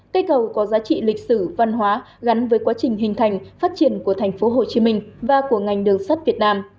cây cầu có giá trị lịch sử văn hóa gắn với quá trình hình thành phát triển của tp hcm và của ngành đường sắt việt nam